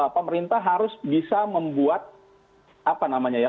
pemerintah harus bisa membuat apa namanya ya